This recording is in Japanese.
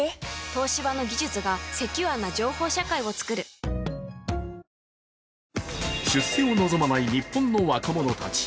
東芝の技術がセキュアな情報社会をつくる出世を望まない日本の若者たち。